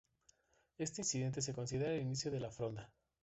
Este incidente se considera el inicio de la Fronda.